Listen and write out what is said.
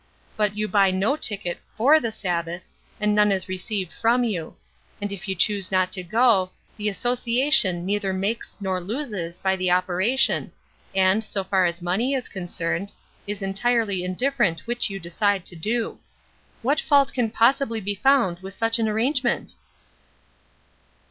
But you buy no ticket for the Sabbath, and none is received from you; and if you choose not to go, the Association neither makes nor loses by the operation, and, so far as money is concerned, is entirely indifferent which you decide to do. What fault can possibly be found with such an arrangement?"